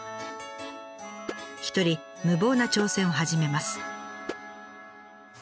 一人無謀な挑戦を始めます。